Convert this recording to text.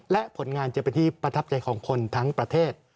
และผลงานจะเป็นที่ประทับใจของคนทั้งประเทศ